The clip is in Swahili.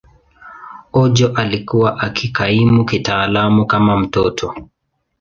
Ojo alikuwa akikaimu kitaaluma kama mtoto.